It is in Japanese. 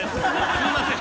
すみません。